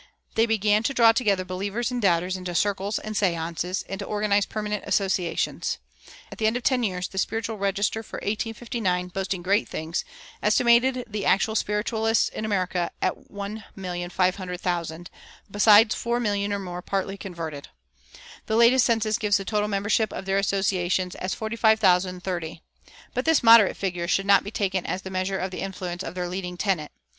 They began to draw together believers and doubters into "circles" and "séances," and to organize permanent associations. At the end of ten years the "Spiritual Register" for 1859, boasting great things, estimated the actual spiritualists in America at 1,500,000, besides 4,000,000 more partly converted. The latest census gives the total membership of their associations as 45,030. But this moderate figure should not be taken as the measure of the influence of their leading tenet.